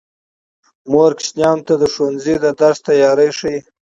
مور ماشومانو ته د ښوونځي د درس تیاری ښيي